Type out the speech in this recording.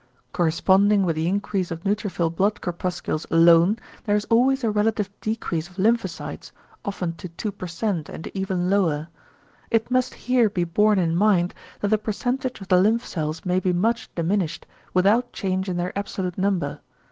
Corresponding with the increase of neutrophil blood corpuscles alone, there is always a relative decrease of lymphocytes, often to 2% and even lower. It must here be borne in mind, that the percentage of the lymph cells may be much diminished, without change in their absolute number.